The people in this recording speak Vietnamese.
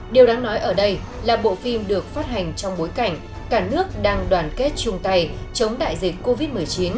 điều đáng nói ở đây là bộ phim được phát hành trong bối cảnh cả nước đang đoàn kết chung tay chống đại dịch covid một mươi chín